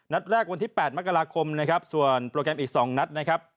นัดแรกวันที่๘มกราคมส่วนโปรแกรมอีก๒นัด